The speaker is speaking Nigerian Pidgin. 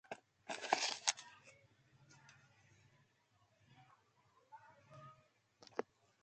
I beg bring yo pikin kom.